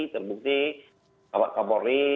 terbukti bapak kapolri